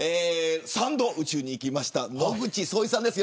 ３度、宇宙に行った野口聡一さんです。